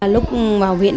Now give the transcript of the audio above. lúc vào viện